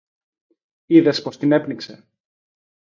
Είδες πώς την έπνιξε!